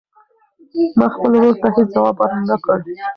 ما خپل ورور ته هېڅ ځواب ورنه کړ.